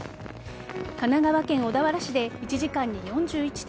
神奈川県小田原市で１時間に４１．５ｍｍ